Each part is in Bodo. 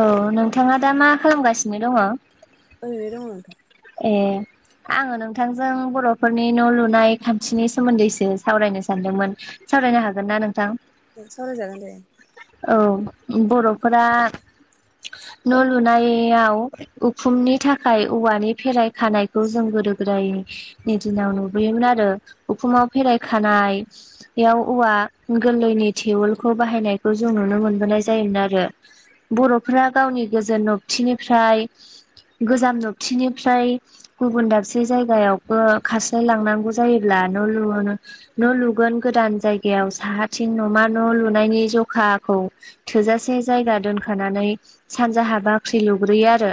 औ नोंथाङा दा मा खालामगासिनो दङ? ओरैनो दङ नोंथां। ए आङो नोंथांजों बर'फोरनि न' लुनाय खान्थिनि सोमोन्दैसो सावरायनो सानदोंमोन। सावरायनो हागोन ना नोंथां? ओं सावरायजागोन दे। औ बर'फोरा न' लुनायाव उखुमनि थाखाय औवानि फेराय खानायखौ जों गोदो गोदाय नि दिनाव नुबोयोमोन आरो उखुमाव फेरायखानाय याव औवा गोरलैनि थेवोलखौ बाहायनायखौ जों नुनो मोनबोनाय जायोमोन आरो। बर'फोरा गावनि गोजोन नबथिनिफ्राय गोजाम नबथिनिफ्राय गुबुन दाबसे जायगायावबो खारस्लाय लांनांगौ जायोब्ला न' लुनो न' लुगोन गोदान जायगायाव साहाथिं नमा न' लुनायनि ज अखाखौ थोजासे जायगा दोनखानानै सानजाहा बाख्रि लुग्रोयो आरो।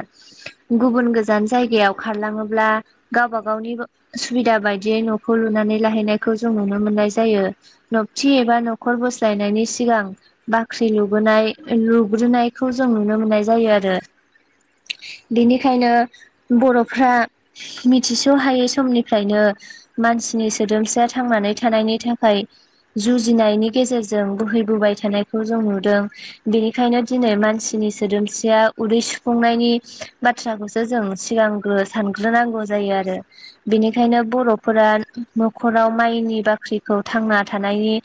गुबुन गोजान जायगायाव खारलाङोब्ला गावबा गावनि सुबिदा बायदियै न'खौ लुनानै लाहैनायखौ जों नुनो मोननाय जायो। नबथि एबा न'खर बोस्लायनायनि सिगां बाख्रि लुबोनाय लुग्रोनायखौ जों नुनो मोननाय जायो आरो। बेनिखायनो बर'फ्रा मिथिस' हायै समनिफ्रायनो मानसिनि सोदोमसाया थांनानै थानायनि थाखाय जुजिनायनि गेजेरजों बोहैबोबाय थानायखौ जों नुदों। बेनिखायनो दिनै मानसिनि सोद्रोमसिया उदै सुफुंनायनि बाथ बाथ्राखौसो जों सिगांग्रो सानग्रोनांगौ जायो आरो बेनि खायनो बर'फोरा न'खराव माइनि बाख्रिखौ थांना थानायनि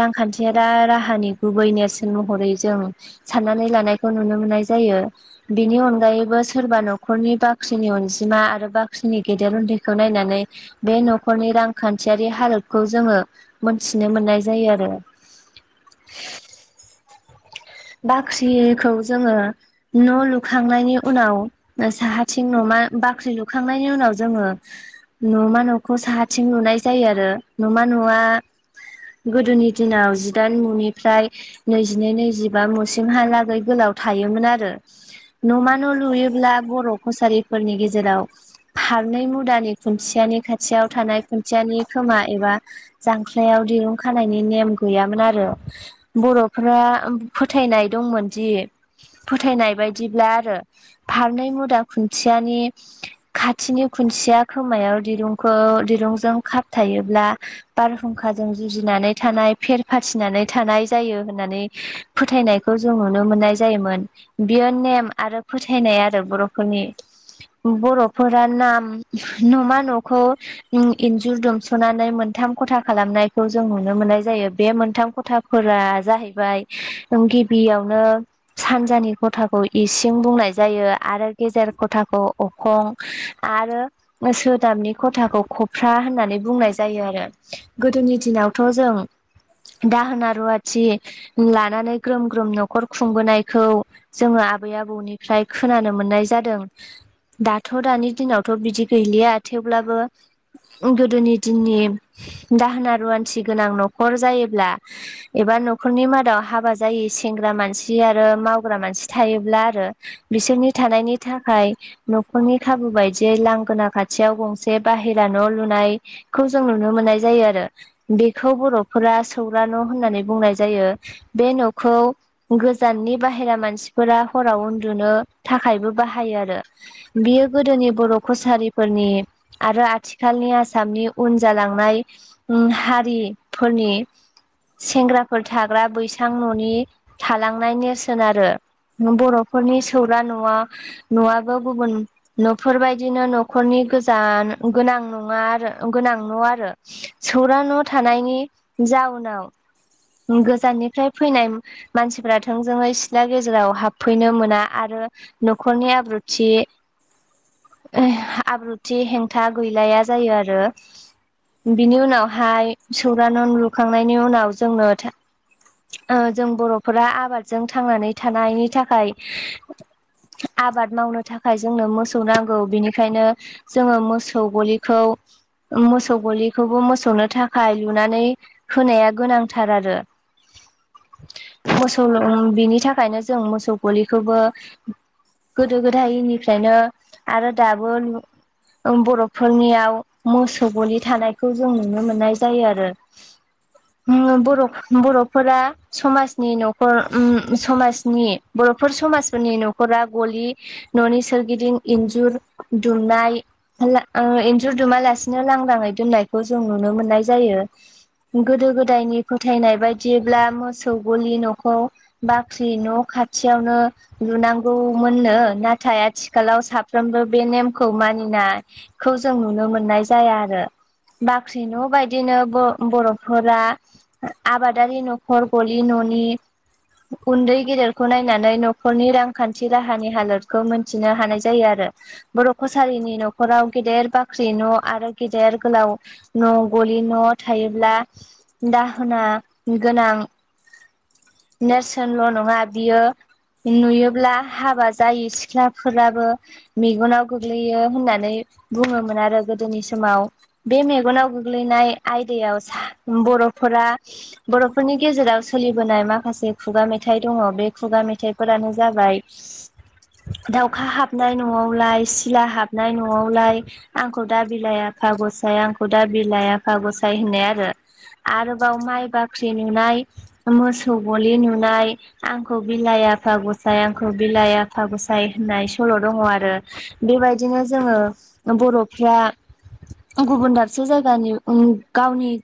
रांखान्थि रा-राहानि गुबै नेरसोन महरै जों साननानै लानायखौ नुनो मोननाय जायो। बिनि अनगायैबो सोरबा न'खरनि बाख्रिनि अनजिमा आरो बाख्रिनि गेदेर उन्दैखौ नायनानै बे न'खरनि रांखान्थियारि हालोदखौ जोङो मोनथिनो मोननाय जायो आरो। बाख्रिखौ जोङो न' लुखांनायनि उनाव साहाथिं नमा बाख्रि लुखांनायनि उनाव जोङो न'मा न'खौ साहाथिं लुनाय जायो आरो। न'मा न'आ गोदोनि दिनाव जिदाइन मुनि फ्राय नैजिनै नैजिबा मुसिमहालागै गोलाव थायोमोन आरो। न'मा न' लुयोब्ला बर' कसारिफोरनि गेजेराव फारनै मुदानि खुन्थियानि खाथियाव थानाय खुन्थियानि खोमा एबा जांख्लायाव दिरुं खानायनि नेम गैयामोन आरो बर'फोरा फोथायनाय दंमोनदि फोथायनाय बायदिब्ला आरो फारनै मुदा खुन्थियानि खाथिनि खुन्थिया खोमायाव दिरुंखौ दिरुंजों खाबथायोब्ला बारहुंखाजों जुजिनानै थानाय फेर फाथिनानै थानाय जायो होननानै फोथायनायखौ जों नुनो मोननाय जायोमोन। बियो नेम आरो फोथायनाय आरो बर'फोरनि बर'फोरा नाम नमा न'खौ इं-इन्जुर दुमस'नानै मोनथाम खथा खालामनायखौ जों नुनो मोननाय जायो। बे मोनथाम खथा फोरा जाहैबाय ओं गिबियावनो सानजानि खथाखौ इसिं बुंनाय जायो आरो गेजेर खथाखौ अखं आरो सोदाबनि खथाखौ खफ्रा होननानै बुंनाय जायो आरो गोदोनि दिनावथ' जों दाहोना रुवाथि लानानै ग्रोम ग्रोम न'खर खुंबोनायखौ जोङो आबै-आबौनिफ्राय खोनानो मोननाय जादों। दाथ' दानि दिनावथ' बिदि गैलिया थेवब्लाबो गोदोनि दिननि दाहोना रुवाथि गोनां न'खर जायोब्ला एबा न'खरनि मादाव हाबा जायो सेंग्रा मानसि आरो मावग्रा मानसि थायोब्ला आरो बिसोरनि थानायनि थाखाय न'खरनि खाबु बायदियै लांगोना खाथियाव गंसे बाहेरा न' लुनाय खौ जों नुनो मोननाय जायो आरो बेखौ बर'फोरा सौरा न' होननानै बुंनाय जायो बे न'खौ गोजाननि बाहेरा मानसिफोरा हराव उन्दुनो थाखायबो बाहायो आरो बियो गोदोनि बर' कसारिफोरनि आरो आथिखालनि आसामनि उन जालांनाय उम हारिफोरनि सेंग्राफोर थाग्रा बैसां न'नि थालांनाय नेरसोन आरो बर'फोरनि सौरा न'आ न'आबो गुबुन न'फोरबायदिनो न'खरनि गोजान गोनां नङा आरो गोनां न' आरो सौरां न' थानायनि जाउनाव गोजाननिफ्राय फैनाय मानसिफोरा थोंजोङै सिथ्ला गेजेराव हाबफैनो मोना आरो न'खरनि आब्रुथि आब्रुथि हेंथा गैलाया जायो आरो बिनि उनावहाय सौरा न' लुखांनायनि उनाव जोंनो ओ जों बर'फोरा आबादजों थांनानै थानायनि थाखाय आबाद मावनो थाखाय जोंनो मोसौ मोसौ नांगौ बिनिखायनो जोङो मोसौ गलिखौ मोसौ गलिखौबो मोसौनो थाखाय लुनानै होनाया गोनांथार आरो मोसौ बिनि थाखायनो जों मोसौ गलिखौबो गोदो गोदायनिफ्रायनो आरो दाबो बर'फोरनियाव मोसौ गलि थानायखौ जों नुनो मोननाय जायो आरो [inaudible] उम बर' बर'फोरा समाजनि न'खर उम समाजनि बर'फोर समाजफोरनि न'खरा गलि न'नि सोरगिदिं इन्जुर दुमनाइ ओ इन्जुरदुमालासिनो लांदाङै दोननायखौ जों नुनो मोननाय जायो गोदो गोदायनि फोथायनाय बायदिब्ला मोसौ गलि न'खौ बाख्रि न' खाथियावनो लुनांगौमोननो नाथाय आथिखालाव साफ्रोमबो बे नेमखौ मानिनायखौ जों नुनो मोननाय जाया आरो बाख्रि न' बायदिनो बर'फोरा आबादारि न'खर गलि ननि उन्दै गेदेरखौ नायनानै न'खरनि रांखान्थि राहानि हालोदखौ मोनथिनो हानाय जायो जायो आरो बर' कसारिनि न'खराव गेदेर बाख्रि न' आरो गेदेर गोलाव न' गलि न' थायोब्ला दाहोना गोनां नेरसोनल' नङा बियो नुयोब्ला हाबा जायो सिख्लाफोराबो मेगनाव गोग्लैयो होननानै बुङोमोन आरो गोदोनि समाव बे मेगनाव गोग्लैनाय आयदायाव सा बर'फोरा बर'फोरनि गेजेराव सोलिबोनाय मा माखासे खुगा मेथाइ दङ बे खुगा मेथाइफोरानो जाबाय दाउखा हाबनाय न'आवलाय सिला हाबनाय न'आवलाय आंखौ दा बिलाइ आफा गसाय आंखौ दा बिलाइ आफा गसाय होननाय आरो आरोबाव माइ बाख्रि नुनाय मोसौ गलि लुनाय आंखौ बिलाइ आफा गसाय आंखौ बिलाइ आफा गसाय होननाय सल' दङ आरो बेबायदिनो जोङो बर'फ्रा गुबुन दाबसे जायगानि उम गावनि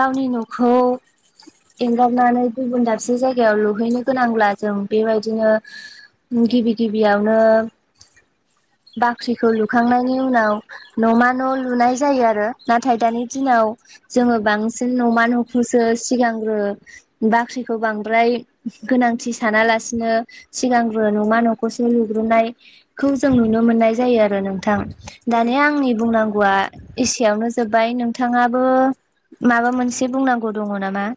गावनि न'खौ एंगारनानै गुबुन दाबसे जायगायाव लुहैनो गोनांब्ला जों बेबायदिनो गिबि गिबियावनो बाख्रिखौ लुखांनायनि उनाव न'मा न' लुनाय जायो आरो नाथाय दानि दिनाव जोङो बांसिन न'मा न'खौसो सिगांग्रो बाख्रिखौ बांद्राय गोनांथि सानालासिनो सिगांग्रो न'मा न'खौसो लुग्रोनायखौ जों नुनो मोननाय जायो आरो नों थां दानिया आंनि बुंनांगौआ एसेयावनो जोब्बाय नोंथाङाबो माबा मोनसे बुंनांगौ दङ नामा?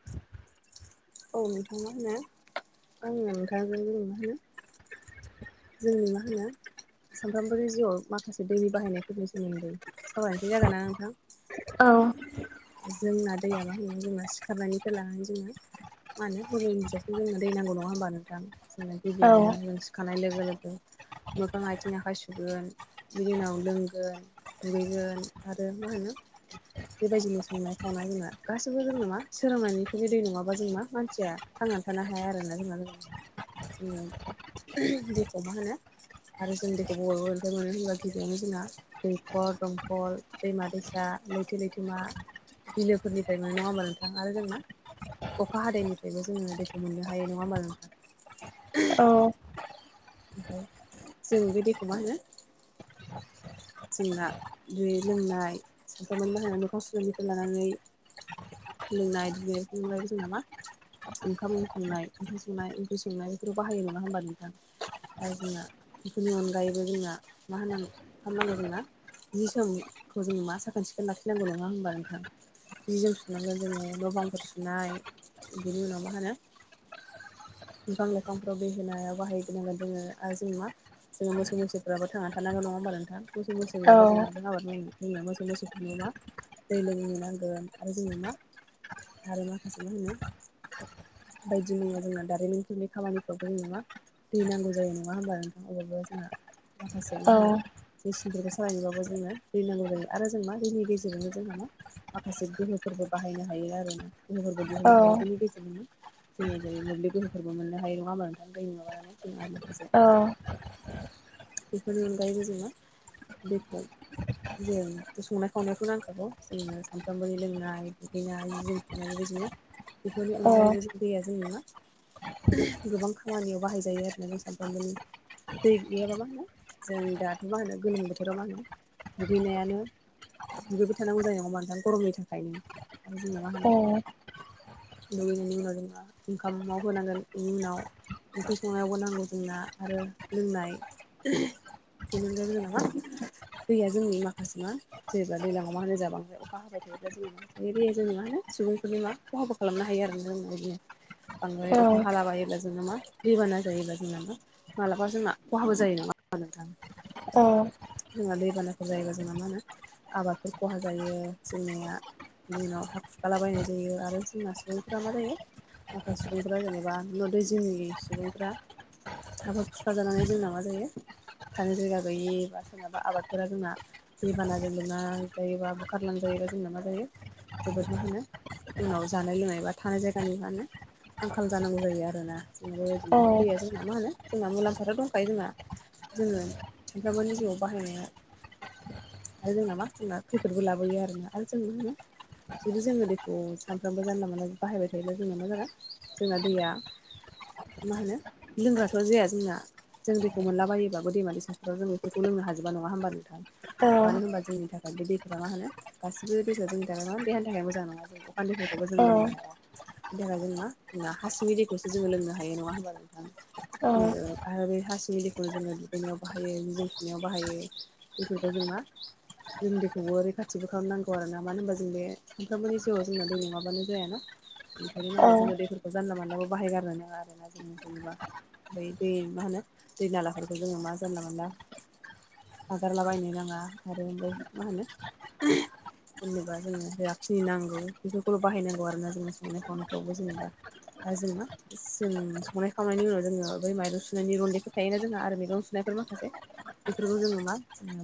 औ नोंथां मा होनो आङो नोंथांजों [unintelligible] जोंनि मा होनो सानफ्रोमबो जिउआव माखासे दैनि बाहायनायफोरनि सोमोन्दै सावरायनायसै जागोन ना नोंथां औ जोंना दैआ मा होनो जोंना सिखारनायनिफ्राय लाङोन जोङो मा होनो हरनि [unintelligible] जोङो दै नांगौ नङा होमबा नोंथां जोंनो औ गिबियावनो जों खानाय लोगो लोगो मोखां आथिं आखाइ सुगोन बिनि उनाव लोंगोन दुगैगोन आरो मा होनो बेबायदिनो संनाय खावनाय जोंना गासिबो जोंनो मा सोरोंनायनिफ्रायनो दै नङाबा जों मा मानसिया थांनानै थानो हाया आरोना जेनबा [unintelligible] दैखौ मा होनो आरो जों दैखौ बयबो [unintelligible] गिबियावनो जोंना दैखर दंखल दैमा-दैसा, लैथो-लैथोमा बिलोफोरनिफ्रायबो नङा होमबा नोंथां आरो जों मा अखा हादैनिफ्रायबो जोङो दैखौ मोननो हायो नङा होमबा नोंथां औ ओमफाय जों बे दैखौ मा होनो [unintelligible] जोंना बे लोंनाय सानफ्रामबो मा होनो मोखां सुनायनिफ्राय लानानै लोंनाय दुगैनाय [unintelligible] जोंना मा ओंखाम संनाय ओंखाम संनाय ओंख्रि संनाय बेफोराव बाहायो नङा होमबा नोंथां आरो जोंना बेफोरनि अनगायैबो जोंना मा होन [unintelligible] मा खालामनांगौ जोंना [unintelligible] समखौ जोङो मा साखोन सिखोन लाखिनांगौ नङा होमबा नोंथां जि जोम सुनांगोन जोङो न' बांफोर सुनाय बिनि उनाव मा होनो बिफां-लाइफांफोराव दै होनायाव बाहाय [unintelligible] नांगोन जोङो आरो जों मा जों मोसौ मोसाफ्राबो थांना थानांगोन नङा होमबा नोंथां मोसौ मोसा औ गैयाबा जों माजों आबाद मावनो जोंना मोसौ मोसौफोरनो मा दै लोंनो नांगोन आरो जोंनो मा आरो माखासे मा होनो बायदि मैया जोंना दारिमिफोरनि खामानिफ्रावबो जों मा दै नांगौ जायो नङा होमबा नोंथां अबेबा जोंहा माखासे मा होनो मेचिनफोरखौ सालायनोबाबो जोंनो दै नांगौ जायो आरो जों मा दैनि गेजेरजोंनो जोंहा मा माखासे गोहोफोरबो बाहायनो हायो आरोना गोहोफोरबो औ दिहुननो हायो बेनि गेजेरजोंनो जोङो जेरै मोब्लि गोहोफोरबो मोननो हायो नङा होनबा नोंथां दै माबानानै जोंहा औ बेफोरनि अनगायैबो जोंङो दैखौ जों संनाय खावनायावथ' नांखागौ जोङो सानफ्रामबोनि लोंनाय दुगैनाय जि जोम सुनाय बेबायदिनो [inaudible] बेफोरनि अनगायैबो जों दैया जोंनो मा गोबां खामानियाव बाहायजायो आरोना जों [unintelligible] [unintelligible] फ्रामबोनि दै गैयाबा मा होनो जों दाथ' मा होनो गोलोम बोथोराव मा होनो दुगैनायानो दुगैबाय थानांगौ जायो नङा होमबा नोथां गरमनि थाखायनो आरो जोंना मा होनो दुगैनायनि उनाव जों मा ओंखामाव होनांगोन इनि उनाव ओंख्रि संनायावबो नांगौ जोंना आरो लोंनाय बेनि अनगायैबो जोंना मा दैया जोंनि माखासे मा जेनेबा दैलाङाव मा होनो जाबा ओमफ्राय अखा हाबाय थायोब्ला जोङो मा बे दैया जों मा होनो सुबुंफोरनि माबा खहाबो खालामनो हायो आरो जोंनो बिदिनो बांद्राय अखा हालाबायोब्ला जों मा दैबाना जायोब्ला जोंना मा मालाबा जोंना खहाबो जायो नङा होनबा नोथां औ जोंहा दैबानाफोर जायोबा जोंना मा होनो आबादफोर खहा जायो जोंनाया बिनि उनाव हा खुरखालाबायनाय जायो आरो जोंना सुबुंफोरा मा जायो माखासे सुबुंफ्रा जेनेबा न दैै जोंनि सुबुंफ्रा हाबो खुरखाजानानै जोंना मा जायो थानो जायगा गैयि बा सोरनाबा आबादफोरा जोंना दै बानाजों लोमनाय जायोबा बुखारलांजायोबा जोंना मा जायो जोबोद मा होनो उनाव जानाय लोंनाय बा थानाय जायगानि मा होनो आंखाल जानांगौ जायो आरोना जों औ बेबायदिनो दैया जोंना मा होनो जोंहा मुलाम्फाथ' दंखायो जोंहा जोङो सामफ्रामबोनि जिउआव बाहायनाया आरो जोंना मा जोंना खैफोदबो लाबोयो आरोना आरो जों मा होनो जुदि जोङो दैखौ सानफ्रामबो जानला मोनानला बाहायबाय थायोब्ला जोंना मा जागोन जोंना दैया मा होनो लोंग्राथ' जाया जोंना जों दैखौ मोनलाबायोबाबो दैमा दैसाफोराव जों बेफोरखौ लोंनो हाजोब नङा होनबा नोंथां औ मानो होनबा जोंनि थाखाय बे दैफोरा मा होनो गासिबो दैफोरा जोंनि थाखाय मा देहानि थाखाय मोजां नङा जों दैफोरखौबो जों लोंनो हाया बेनि थाखाय जों मा हा सिंनि दैखौसो जोङो लोंनो हायो नङा होनब्ला नोंथां औ जोंनो आरो बे हा सिंनि दैखौनो जोङो दुगैनायाव बाहायो जि जोम सुनायाव बाहायो बेफोरखौ जों मा जों दैखौबो रैखाथिबो खालामनांगौ आरो ना मानो होनबा जों बे सानफ्रोमबोनि जिउआव जोंना दै नङाबानो जायाना ओंखायनो औ मारै जोङो दैफोरखौ जानला मानलाबो बाहायगारनो नाङा आरोना जोङो जेनेबा बै बे मा होनो दै नालाफोरखौ जोङो मा जानला मोनला नागारलाबायनो नाङा आरो बै मा होनो जेनेबा जोङो जाखिनि नांगौ बेफोरखौल' बाहायनांगौ आरोना जोङो संनाय खावनायफ्रावबो जेनेबा आरो जों मा जों संनाय खावनायनि उनाव जोङो बै माइरं सुनायनि रन्दैखौ थायोना जोंहा आरो मैगं सुनायफोर माखासे बेफोरखौ जोङो मा जोङो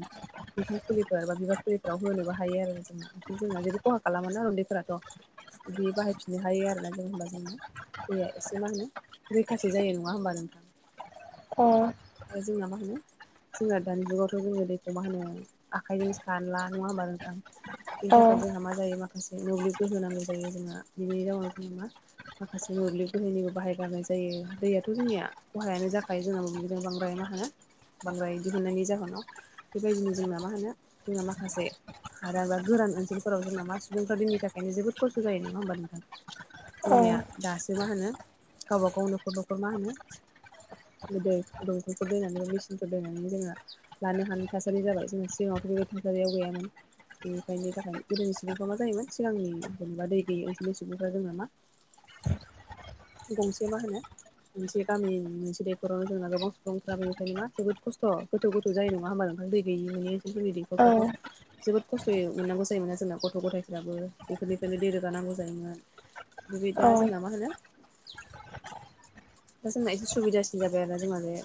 बिफां फुलिफोर बा बिबार फुलिफोराव होनोबो हायो आरो जोंना जोंना जेबो खहा खालामोना रन्दैफोराथ' बिदि बाहायफिननो हायो आरोना जों होमबा जोंना दैया एसे मा होनो रैखासे जायो नङा होमबा नोंथां अ ओ जोंना मा होनो जोंना दानि जुगावथ' जोङो दैखौ मा होनो आखाइजों सानला नङा होनबा नोंथां बेनि थाखाय औ जोंहा मा जायो माखा से मोब्लिबखौ गोहो नांगौ जायो जोंहा बिनि रावाव जोङो मा माखासे मोब्लिब गोहोनिबो बाहाय गारनाय जायो दैयाथ' जोंनिया खहायानो जाखायो जोंना मुब्लिबजों बांद्राय मा होनो बांद्राय दिहुननायनि जाहोनाव बेबायदिनो जोंना मा होनो जोंना माखासे हारा बा गोरान ओनसोलफोराव जोंना मा सुबुंफ्रा दैनि थाखायनो जोबोद खस्थ' जायो नङा होमबा नोंथां जोंनिया दासो मा होनो गावबा गाव नखर नखर मा होनो दै दंकलफोर दोननानै बा मेसिनफोर दोननानै जोङो लानो हानाय थासारि जाबाय जोंहा सिगाङावथ' बेबायदि थासारियाव गैयामोन बेनिखायनो थाखाय गोदोनि सुबुंफ्रा मा जायोमोन सिगांनि जेनेबा दै गैयि ओनसोलनि सुबुंफ्रा जोंना मा गंसे मा होनो मोनसे गामिनि मोनसे दैखरावनो जोंना गोबां सुबुंफोरा बेनिखायनो मा जोबोद खस्थ' गोथौ गोथौ जायो नङा होमबा नोंथां दै गैयि मोनै ओनसोलफोरनि औ दैैखरफ्राथ' जोबोद खस्थ'यै मोननांगौ जायोमोना जोंना गथ' गथायफ्राबो बेफोरनिफ्रायनो दै रोगानांगौ जायोमोन बे दा औ जोंना मा होनो दा जोंना एसे सुबिदासिन जाबाय आरोना जोंना बे